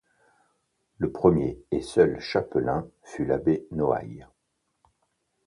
Le premier et seul chapelain fut l'abbé Noailles.